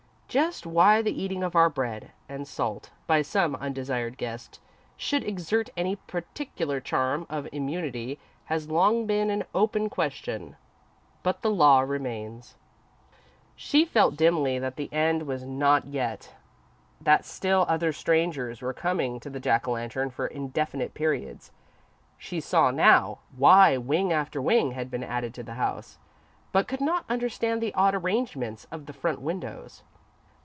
Just why the eating of our bread and salt by some undesired guest should exert any particular charm of immunity, has long been an open question, but the Law remains. She felt, dimly, that the end was not yet that still other strangers were coming to the Jack o' Lantern for indefinite periods. She saw, now, why wing after wing had been added to the house, but could not understand the odd arrangement of the front windows.